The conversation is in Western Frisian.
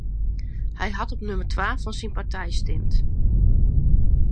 Hy hat op nûmer twa fan syn partij stimd.